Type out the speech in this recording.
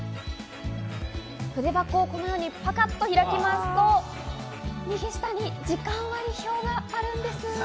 筆箱をこのようにパカッと開きますと、右下に時間割表もあるんです。